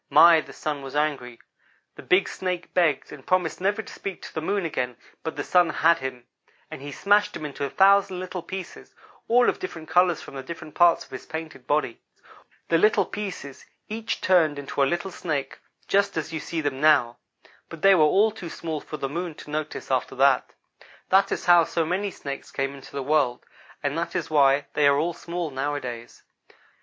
My, the Sun was angry! The big Snake begged, and promised never to speak to the Moon again, but the Sun had him; and he smashed him into thousands of little pieces, all of different colors from the different parts of his painted body. The little pieces each turned into a little snake, just as you see them now, but they were all too small for the Moon to notice after that. That is how so many Snakes came into the world; and that is why they are all small, nowadays.